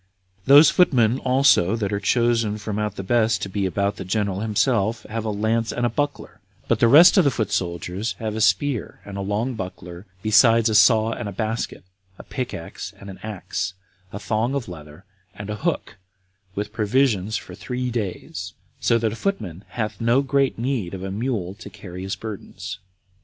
Those foot men also that are chosen out from the rest to be about the general himself have a lance and a buckler, but the rest of the foot soldiers have a spear and a long buckler, besides a saw and a basket, a pick axe and an axe, a thong of leather and a hook, with provisions for three days, so that a footman hath no great need of a mule to carry his burdens.